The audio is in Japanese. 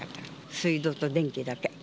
水道と電気だけ。